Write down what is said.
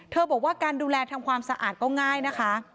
บอกว่าการดูแลทำความสะอาดก็ง่ายนะคะ